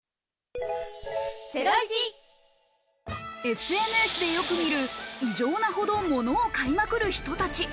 ＳＮＳでよく見る、異常なほどものを買いまくる人たち。